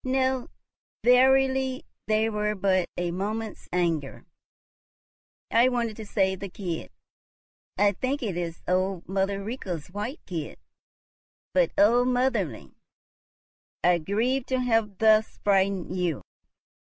"No, verily; they were but a moment's anger. I wanted to save the kid. I think it is old mother Rika's white kid. But oh, motherling! I grieve to have thus frightened you."